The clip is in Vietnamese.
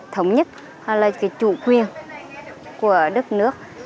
thống nhất hoặc là cái chủ quyền của đất nước